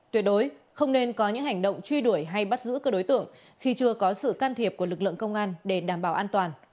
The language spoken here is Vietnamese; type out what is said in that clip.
tuyệt đối không nên có những hành động truy đuổi hay bắt giữ cơ đối tượng khi chưa có sự can thiệp của lực lượng công an để đảm bảo an toàn